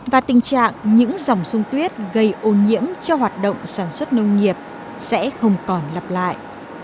và tình trạng những dòng sung tuyết gây ô nhiễm cho hoạt động sản xuất nông nghiệp sẽ không còn lặp lại